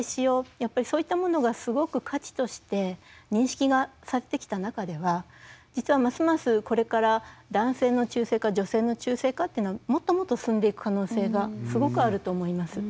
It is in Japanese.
やっぱりそういったものがすごく価値として認識がされてきた中では実はますますこれから男性の中性化女性の中性化というのはもっともっと進んでいく可能性がすごくあると思います。